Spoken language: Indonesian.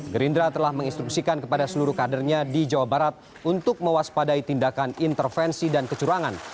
gerindra telah menginstruksikan kepada seluruh kadernya di jawa barat untuk mewaspadai tindakan intervensi dan kecurangan